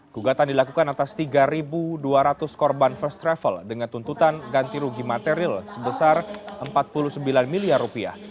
gugatan dilakukan atas tiga dua ratus korban first travel dengan tuntutan ganti rugi material sebesar rp empat puluh sembilan miliar rupiah